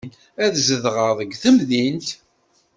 Ad zedɣeɣ deg temdint.